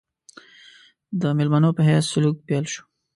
د مېلمنو په حیث سلوک پیل شو.